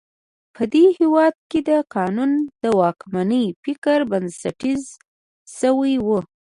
په دې هېواد کې د قانون د واکمنۍ فکر بنسټیزه شوی و.